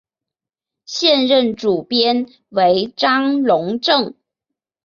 现任主编为张珑正。